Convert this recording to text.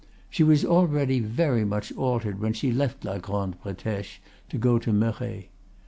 She was already very much altered when she left la Grande Bretèche to go to Merret.